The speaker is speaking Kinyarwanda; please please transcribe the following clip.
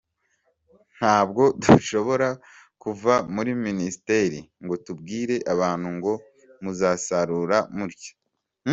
Ntabwo dushobora kuva muri Ministeri ngo tubwire abantu ngo muzasarura mutya.